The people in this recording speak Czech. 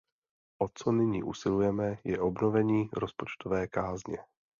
O co nyní usilujeme, je obnovení rozpočtové kázně.